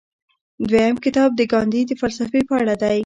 دویم کتاب د ګاندي د فلسفې په اړه دی.